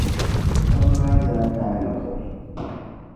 tiŋ’ maa zaa taai la buɣim.